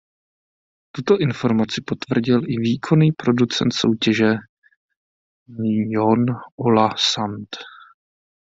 Tuto informaci potvrdil i výkonný producent soutěže Jon Ola Sand.